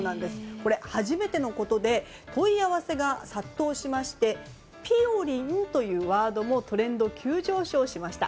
これは初めてのことで問い合わせが殺到しましてぴよりんというワードもトレンド急上昇しました。